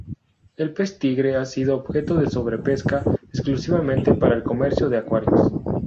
El pez tigre ha sido objeto de sobrepesca exclusivamente para el comercio de acuarios.